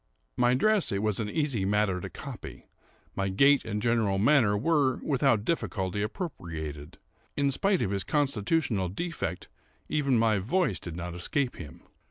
My dress it was an easy matter to copy; my gait and general manner were, without difficulty, appropriated; in spite of his constitutional defect, even my voice did not escape him.